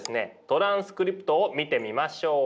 トランスクリプトを見てみましょう。